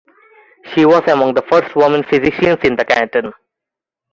She was among the first women physicians in the canton.